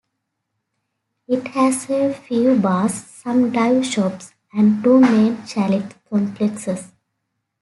It has a few bars, some dive shops and two main chalet complexes.